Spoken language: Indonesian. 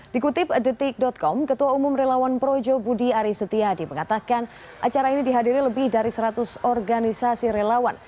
dikutip detik com ketua umum relawan projo budi aris setiadi mengatakan acara ini dihadiri lebih dari seratus organisasi relawan